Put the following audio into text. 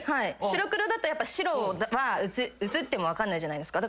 白黒だと白は映っても分かんないじゃないですか。